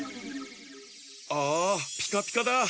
ああピカピカだ。